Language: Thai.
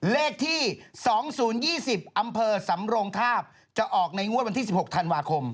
เลขที่๒๐๒๐อำเภอสำรงคาบจะออกในงวดวันที่๑๖ธันวาคม